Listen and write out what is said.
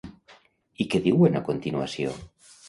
I què diuen a continuació?